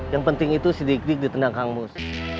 yang penting itu si dik dik ditendang kang mus